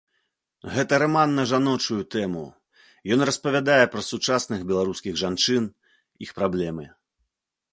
Гэта раман на жаночую тэму, ён распавядае пра сучасных беларускіх жанчын, іх праблемы.